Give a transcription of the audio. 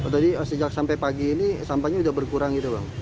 tadi sejak sampai pagi ini sampahnya sudah berkurang gitu bang